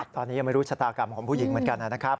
ตอนนี้ยังไม่รู้ชะตากรรมของผู้หญิงเหมือนกันนะครับ